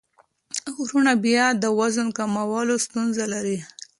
وروڼه بیا د وزن کمولو کې ستونزه لري.